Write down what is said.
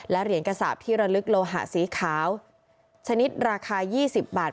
และเหรียญกระสาปที่ระลึกโลหะสีขาวชนิดราคา๒๐บาท